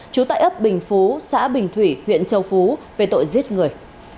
trú tại ấp bình phú xã bình thủy huyện châu phú về tội giết người